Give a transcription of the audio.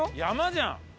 山じゃん！